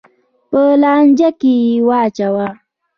په لانجه کې یې واچوه.